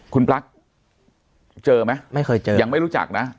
คุณปลั๊กเจอไหมไม่เคยเจอยังไม่รู้จักนะ